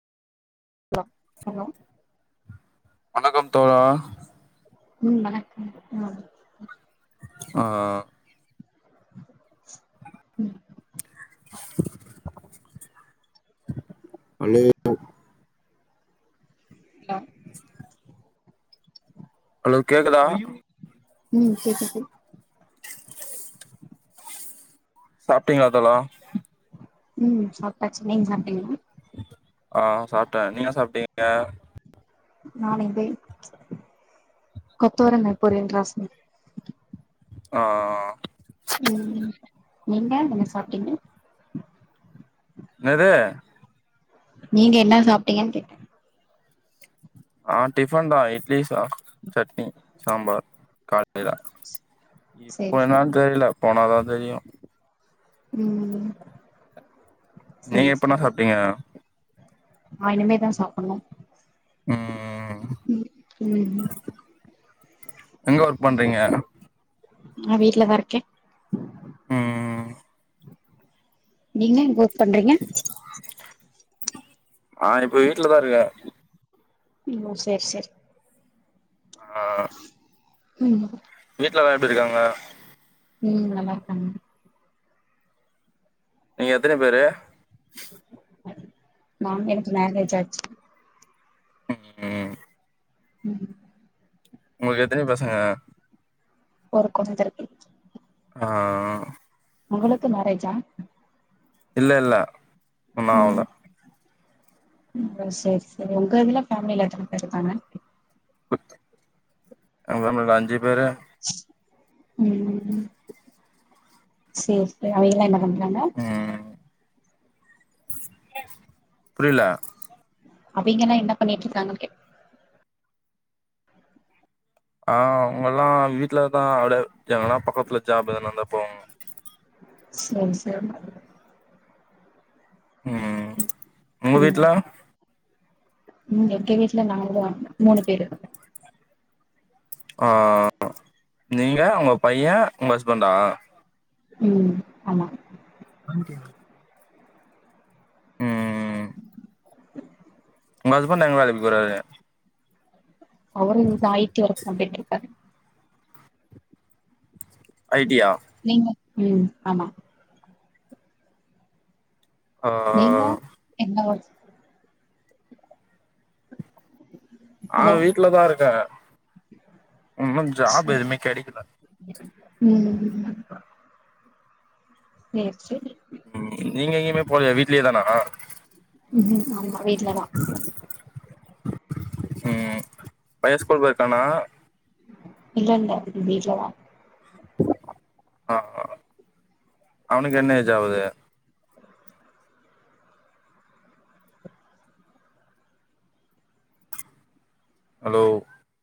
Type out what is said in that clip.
Low hello வணக்கம் தோழா உம் வணக்கம் உம் ஆ உம் அலோ ட ஹலோ கேக்குதா ம் கேக்குது சாப்டீங்ளா தோழா உம் சாப்டாச் நீங்க சாப்டீங்களா ஆ சாப்டே நீங்க சாப்டீங் ஆ நாலைக்கே கொத்தவரங்கா பொறியல் ராஸோ ஆ ஆ ஆ உம் நீங்க என்ன சாப்டீங்க என்னதூ நீங்க என்ன சாப்டீங்கன் கேட்டே ஆ டிபன் தா இட்லி ஸா சட்னி சம்பார் காலேயில சேரி இப்ப சேரி என்னான் தெரில போனாதா தெரியு உம் உம் நீங்க இப்ப என்னா சாப்டீங்க நா இனிமேதா சாப்டணு ம் உம் உம்உம் எங்க ஒர்க் பண்றீங்க நா வீட்லதா இருக்கே உம் நீங்க பண்றீங்க ஆ இப்ப வீட்லதா இருக்கே ம் சேர் சேரி ஆ ம் வீட்லலா எப்டி இருக்காங்க ம் நல்லாருக்கம்மா நீங்க எத்தன பேரு நாங்க எனக்கு மேரேஜ் ஆச்சு ம் ம் ம் உங்களுக்கு எத்தனி பசங்க ஒரு கொழந்தருக்கு ஆ உங்களுக்கு மேரேஜா இல்ல இல்ல இன்னு ஆவுல சேர் சேரி உங்க இதுல ஃபேமிலில எத்தன பேருக்காங்க? அதா நாங்க அஞ்சு பேரு ம் சேர் சே அவிங்கலா என்ன பண் றாங்க புரில அவிங்கலா என்ன பண்ணிட்ருக்காங்கன் கேட்ட ஆ அவுங்கல்லா வீட்லதா அப்டே எதனா பக்கத்ல ஜாப் எதனா இருந்தா போவங்க செரி செரி ம் உங்க ம் வீட்ல ம் எங்க வீட்ல நாங்ளா மூணு பேரு ஆ நீங்க உங்க பைய உங்க ஹஸ்பண்டா ம் ஆமா [unintelligible] ம் [inaudible] உங்க ஹஸ்பண்ட் எங்க வேலைக்கு போறாரு? அவரு‌ இங்க ஐ டி வர்க்தா போயிட்ருக்காரு ஐ டி யா நீங்க ம் ஆமா ஆ நீங்க என்ன ஒர்க் ஆ ஹலோ வீட்லதா இருக்கே இன்னு ஜாப் எதுவுமே கெடைக்கல ம் ம் சே செரி ம் நீங்க எங்கயுமே போலயா வீட்ல தானா உ ஆம்மா வீட்லதா உ பய ஸ்குல் போய்ருக்கானா இல்லல்ல வீட்லதா ஆ அவனுக்கு என்ன ஏஜ் ஆகுது ஹலோ